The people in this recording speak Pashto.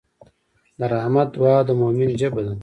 د رحمت دعا د مؤمن ژبه ده.